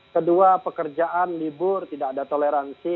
kedua pekerjaan libur tidak ada toleransi